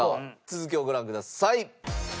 続きをご覧ください。